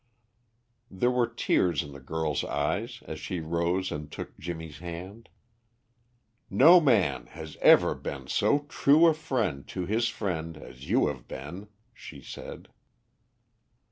There were tears in the girl's eyes as she rose and took Jimmy's hand. "No man has ever been so true a friend to his friend as you have been," she said.